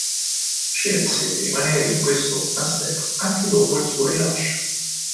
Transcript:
Scelse di rimanere in questo monastero anche dopo il suo rilascio.